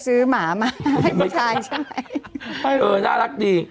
เออน่ารักดี